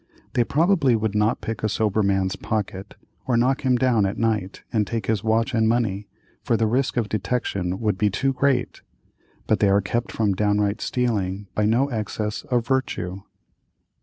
They probably would not pick a sober man's pocket, or knock him down at night and take his watch and money, for the risk of detection would be too great; but they are kept from downright stealing by no excess of virtue.